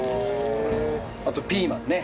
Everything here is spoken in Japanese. あとピーマンね。